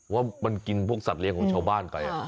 ว่ามันกินพวกสัตว์เลี้ยงของชาวบ้านไป